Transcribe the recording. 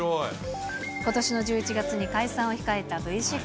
ことしの１１月に解散を控えたＶ６。